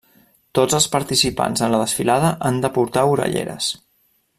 Tots els participants en la desfilada han de portar orelleres.